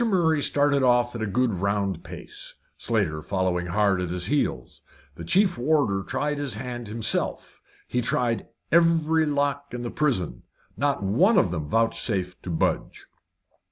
Murray started off at a good round pace, Slater following hard at his heels. The chief warder tried his hand himself. He tried every lock in the prison; not one of them vouchsafed to budge.